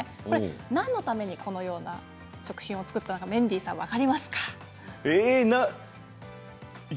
何のために、このような食品を作ったのか、メンディーさんええ？